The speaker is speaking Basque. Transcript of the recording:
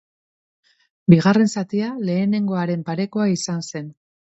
Bigarren zatia lehenengoaren parekoa izan zen.